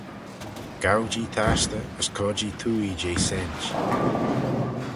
Gow-jee tastey as cur-jee twoaie jeh saynt.